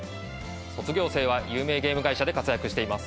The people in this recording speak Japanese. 卒業生は有名ゲーム会社で活躍しています。